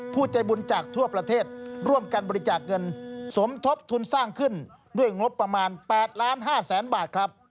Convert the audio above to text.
ใจบุญจากทั่วประเทศร่วมกันบริจาคเงินสมทบทุนสร้างขึ้นด้วยงบประมาณ๘ล้าน๕แสนบาทครับ